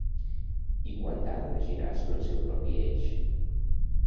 I quant tarda a girar sobre el seu propi eix?